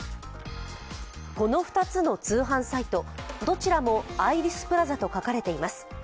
この２つの通販サイトどちらもアイリスプラザと書かれています。